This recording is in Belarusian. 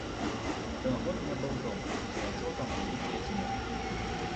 Ён год не быў дома і знайшоў там вялікія змены.